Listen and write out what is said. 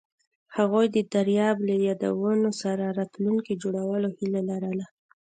هغوی د دریاب له یادونو سره راتلونکی جوړولو هیله لرله.